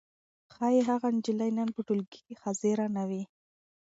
ښايي هغه نجلۍ نن په ټولګي کې حاضره نه وي.